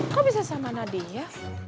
kok bisa sama nadia